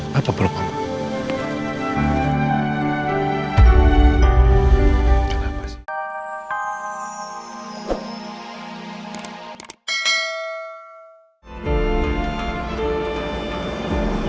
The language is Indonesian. papa peluk mama